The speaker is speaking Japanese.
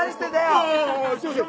「ああっすいません！」